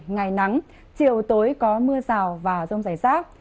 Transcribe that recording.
ngày nắng chiều tối có mưa rào và rông rải rác